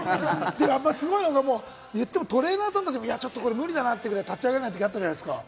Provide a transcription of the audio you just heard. でも、やっぱりすごいのが言ってもトレーナーさんたちもこれ無理だなっていうぐらい立ち上がれないときあったじゃないですか。